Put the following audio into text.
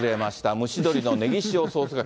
蒸し鶏のねぎ塩ソースがけ。